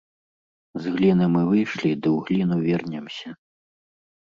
З гліны мы выйшлі ды ў гліну вернемся.